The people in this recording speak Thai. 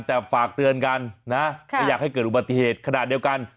แต่ฝากเตือนกันนะไม่อยากให้เกิดอุบัติเหตุขนาดเดียวกัน